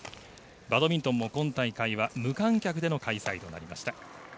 バドミントンも今大会は無観客での開催となりました。